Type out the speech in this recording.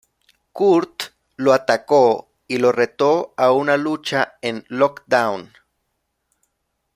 Kurt lo atacó y lo reto a una lucha en Lockdown.